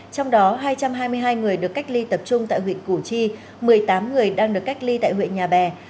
trong đó hai trăm hai mươi hai người được cách ly tập trung tại huyện củ chi một mươi tám người đang được cách ly tại huyện nhà bè